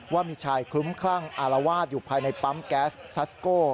ว่ามีชายคลุ้มคลั่งอารวาสอยู่ภายในปั๊มแก๊สซัสโก้